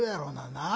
なあ。